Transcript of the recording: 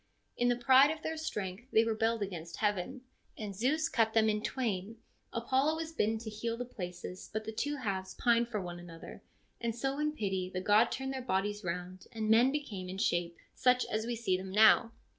In the pride of .jeir strength they rebelled against heaven, and Zeus cut them in twain. Apollo was bidden to heal the places, but the two halves pined one for the other, and so in pity the god turned their bodies round, and men became in shape such as we see them now.